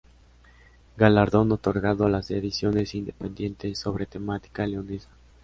Galardón otorgado a las ediciones independientes sobre temática leonesa.